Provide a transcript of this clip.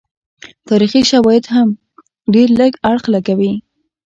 تاریخي شواهد هم ډېر لږ اړخ لګوي.